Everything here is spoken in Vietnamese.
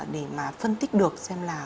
để mà phân tích được xem là